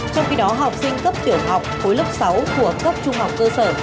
trong khi đó học sinh cấp tiểu học khối lớp sáu của cấp trung học cơ sở